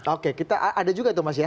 oke kita ada juga itu mas ya